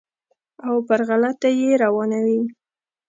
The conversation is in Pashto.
او پر غلطه یې روانوي.